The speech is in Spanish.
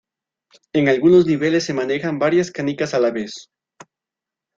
En algunos niveles se manejan varias canicas a la vez.